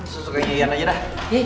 susuk aja yan aja dah